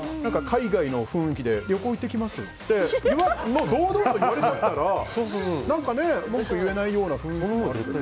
海外の雰囲気で旅行行ってきますって堂々と言われたら文句言えないような雰囲気。